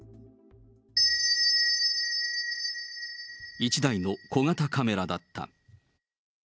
１台の小型カメラだった。